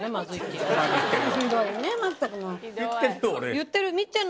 言ってる。